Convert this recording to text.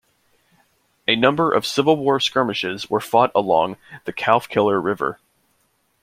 A number of Civil War skirmishes were fought along the Calfkiller River.